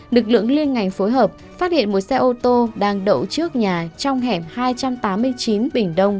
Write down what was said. lực lượng liên ngành phối hợp phát hiện một xe ô tô đang đậu trước nhà trong hẻm hai trăm tám mươi chín bình đông